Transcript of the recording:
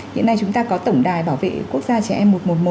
hiện nay chúng ta có tổng đài bảo vệ quốc gia trẻ em một trăm một mươi một